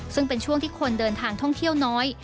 ซึ่งเป็นช่วงที่คนเดินทางท่องเที่ยวน้อย